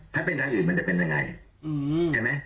ถ้าเป็นทางอื่นมันจะเป็นยังไง